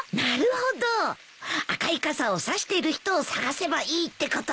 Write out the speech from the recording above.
赤い傘を差してる人を捜せばいいってことか。